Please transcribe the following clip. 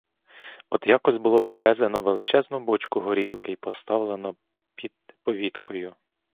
От, якось було привезено величезну бочку горілки й поставлено під повіткою.